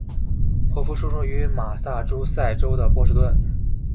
霍夫出生于马萨诸塞州的波士顿。